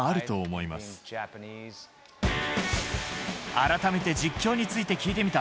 改めて実況について聞いてみた。